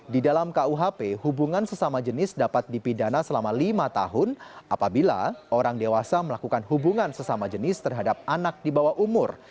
di dalam kuhp hubungan sesama jenis dapat dipidana selama lima tahun apabila orang dewasa melakukan hubungan sesama jenis terhadap anak di bawah umur